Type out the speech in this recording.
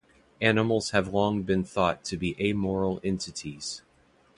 Animals have long been thought to be amoral entities.